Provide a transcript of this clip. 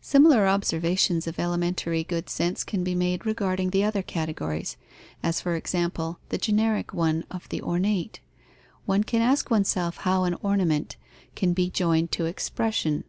Similar observations of elementary good sense can be made regarding the other categories, as, for example, the generic one of the ornate. One can ask oneself how an ornament can be joined to expression.